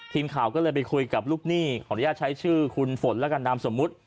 ทีมข่าวก็เลยไปคุยกับลูกหนี้ขออนุญาตใช้ชื่อคุณฝนแล้วกันนามสมมุติ